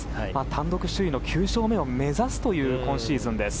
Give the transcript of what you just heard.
単独首位の９勝目を目指すという今シーズンです。